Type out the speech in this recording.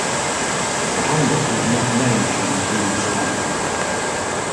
The hamlet was not named during Boone's life.